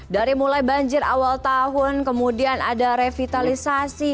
dari mulai banjir awal tahun kemudian ada revitalisasi